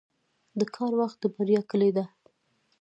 • د کار وخت د بریا کلي ده.